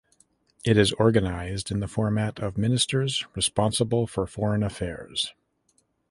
It is organised in the format of ministers responsible for foreign affairs.